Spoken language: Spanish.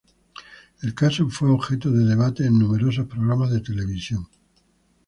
El caso fue objeto de debates en numerosos programas de televisión.